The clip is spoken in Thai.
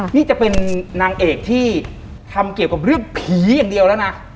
นี่จะเป็นนางเอกที่ทำเกี่ยวกับเรื่องผีอย่างเดียวแล้วนะ